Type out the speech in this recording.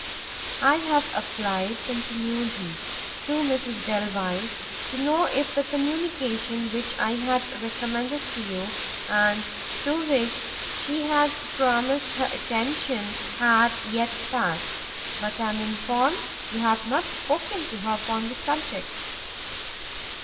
"I have applied," continued he, "to Mrs Delvile, to know if the communication which I had recommended to you, and to which she had promised her attention, had yet passed; but I am informed you have not spoken to her upon the subject."